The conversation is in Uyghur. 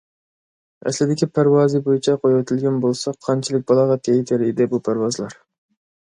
ئەسلىدىكى پەرۋازى بويىچە قويۇۋېتىلگەن بولسا، قانچىلىك بالاغەتكە يېتەر ئىدى بۇ پەرۋازلار!..